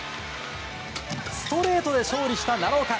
ストレートで勝利した奈良岡。